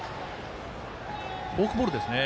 フォークボールですね。